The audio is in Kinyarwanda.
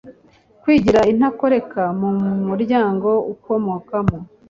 kwigira intakoreka mu muryango ukomokamo.